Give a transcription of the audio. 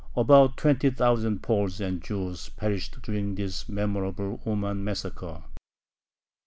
About twenty thousand Poles and Jews perished during this memorable "Uman massacre."